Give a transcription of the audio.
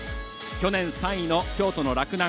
去年３位の京都の洛南。